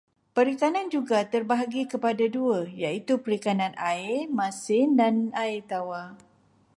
Perikanan juga terbahagi kepada dua, iaitu perikanan air masin dan air tawar.